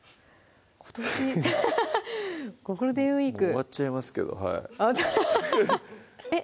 今年ゴールデンウイークもう終わっちゃいますけどえっ